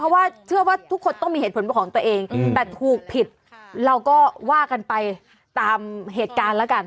ว่าทุกคนต้องมีเหตุผลของตัวเองแต่ถูกผิดเราก็ว่ากันไปตามเหตุการณ์ละกัน